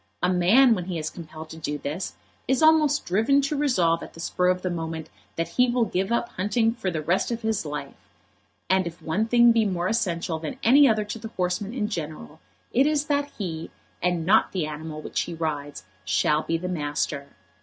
A man, when he is compelled to do this, is almost driven to resolve at the spur of the moment that he will give up hunting for the rest of his life. And if one thing be more essential than any other to the horseman in general, it is that he, and not the animal which he rides, shall be the master.